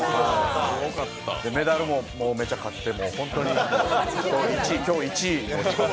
メダルも、もうめちゃ勝って今日１位。